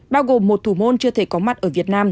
bao gồm một thủ môn chưa thể có mặt ở việt nam